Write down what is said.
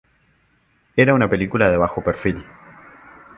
Era una película de bajo perfil.